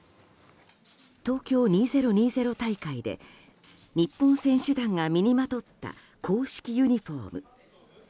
東京２０２０大会で日本選手団が身にまとった公式ユニホーム。